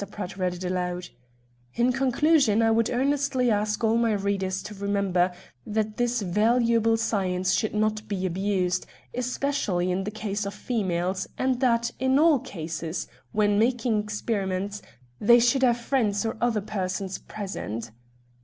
Pratt read it aloud: "'In conclusion, I would earnestly ask all my readers to remember that this valuable science should not be abused, especially in the case of females, and that, in all cases when making experiments, they should have friends or other persons present.'